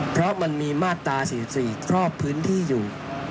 เพราะมันมีมาตรา๔๔ครอบพื้นที่อยู่